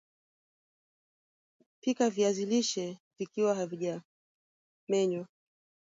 pika viazi lishe vikiwa havijamenywa